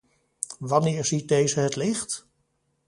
Wanneer ziet deze het licht?